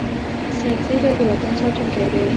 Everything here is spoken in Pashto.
سرتیری د وطن ساتونکی دی